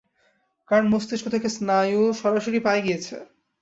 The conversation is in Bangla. কারণ মস্তিষ্ক থেকে স্নায়ু সরাসরি পায়ে গিয়েছে।